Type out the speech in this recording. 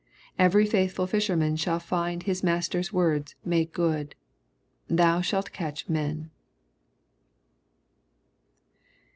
Every faithful fisherman shall find his Master's words made good :" Thou shalt catch men."